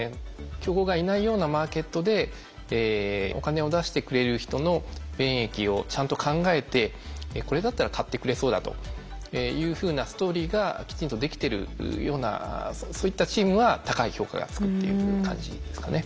競合がいないようなマーケットでお金を出してくれる人の便益をちゃんと考えてこれだったら買ってくれそうだというふうなストーリーがきちんとできてるようなそういったチームは高い評価がつくっていう感じですかね。